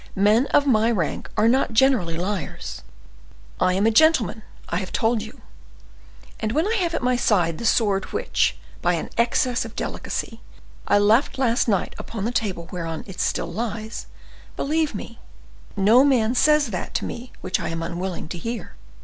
Men of my rank are not generally liars. I am a gentleman, I have told you, and when I have at my side the sword which, by an excess of delicacy, I left last night upon the table whereon it still lies, believe me, no man says that to me which I am unwilling to hear.